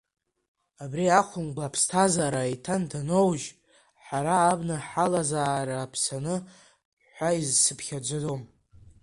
Абри ахәымга аԥсҭазаара иҭан даноуужь, ҳара абна ҳалазаара аԥсаны ҳәа исыԥхьаӡом.